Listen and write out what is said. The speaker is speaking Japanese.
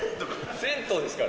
銭湯ですから。